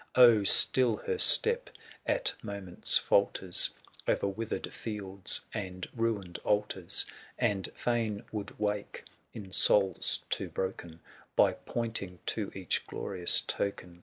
Oh, still her step at moments falters O'er withered tields, and ruined altars, And fain would wake, in souls too broken, By pointing to each glorious token.